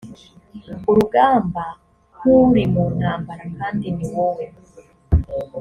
urugamba nk uri mu ntambara kandi ni wowe